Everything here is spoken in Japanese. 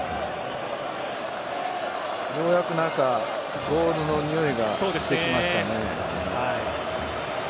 ようやくゴールのにおいがしてきましたね。